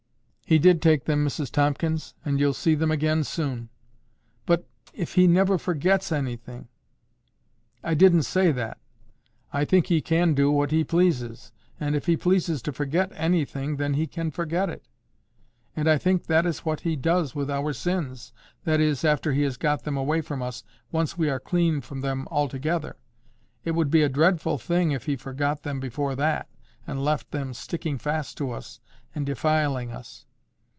"He did take them, Mrs Tomkins; and you'll see them again soon." "But, if He never forgets anything——" "I didn't say that. I think He can do what He pleases. And if He pleases to forget anything, then He can forget it. And I think that is what He does with our sins—that is, after He has got them away from us, once we are clean from them altogether. It would be a dreadful thing if He forgot them before that, and left them sticking fast to us and defiling us.